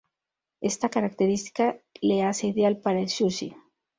Esta característica le hace ideal para el sushi.